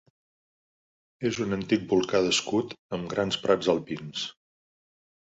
És un antic volcà d'escut amb grans prats alpins.